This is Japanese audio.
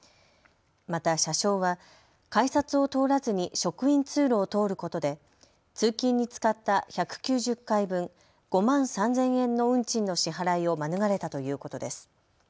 また車掌は改札を通らずに職員通路を通ることで通勤に使った１９０回分５万３０００円の運賃の支払いを免れたということです。